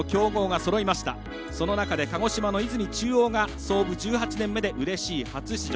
その中で、鹿児島の出水中央が創部１８年目でうれしい初出場。